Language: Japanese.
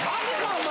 お前！